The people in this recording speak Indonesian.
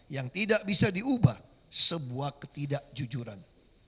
yang tidak bisa diubah sebuah ketidakjujuran